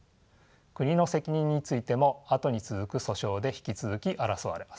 国の責任についてもあとに続く訴訟で引き続き争われます。